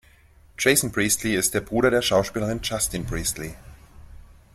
Jason Priestley ist der Bruder der Schauspielerin Justine Priestley.